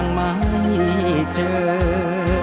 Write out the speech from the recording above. จะใช้หรือไม่ใช้ครับ